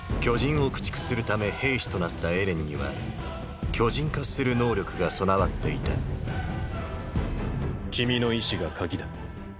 巨人を駆逐するため兵士となったエレンには巨人化する能力が備わっていた君の意志が「鍵」だ。